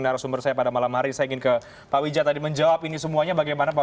narasumber saya pada malam hari saya ingin ke pak wija tadi menjawab ini semuanya bagaimana pak